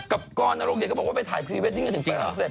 กับกรนรกเย็นก็บอกว่าไปถ่ายพรีเวดดิ้งก็ถึงไปแล้วเสร็จ